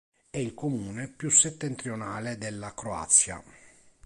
È il comune più settentrionale della Croazia.